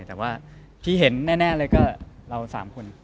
แต่ว่าที่เห็นแน่เลยก็เรา๓คน